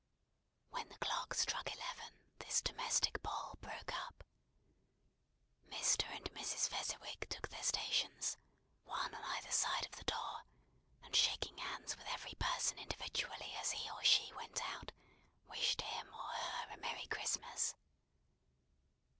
When the clock struck eleven, this domestic ball broke up. Mr. and Mrs. Fezziwig took their stations, one on either side of the door, and shaking hands with every person individually as he or she went out, wished him or her a Merry Christmas.